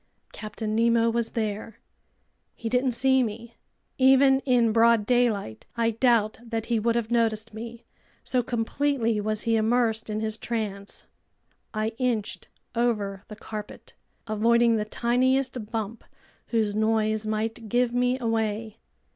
Captain Nemo was there. He didn't see me. Even in broad daylight I doubt that he would have noticed me, so completely was he immersed in his trance. I inched over the carpet, avoiding the tiniest bump whose noise might give me away.